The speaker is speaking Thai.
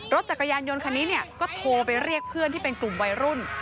รถจักรยานยนต์คันนี้เนี่ยก็โทรไปเรียกเพื่อนที่เป็นกลุ่มวัยรุ่น